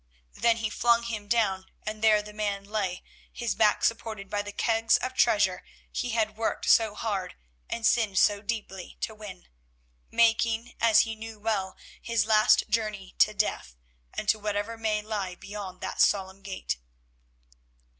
Then he flung him down, and there the man lay, his back supported by the kegs of treasure he had worked so hard and sinned so deeply to win, making, as he knew well, his last journey to death and to whatever may lie beyond that solemn gate.